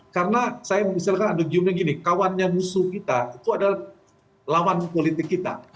karena saya misalkan adegiumnya gini kawannya musuh kita itu adalah lawan politik kita